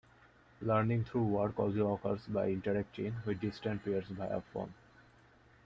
Learning through work also occurs by interacting with distant peers via phone.